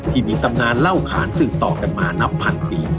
ที่มีตำนานเล่าขานซื่อตอบได้มานับพันปี